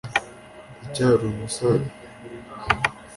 ndacyari umusaza.